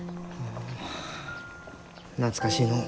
あ懐かしいのう。